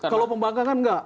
kalau pembangkangan enggak